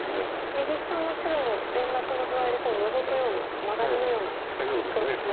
右下の白の連絡の具合でノゾくようなマガリのようなところですね。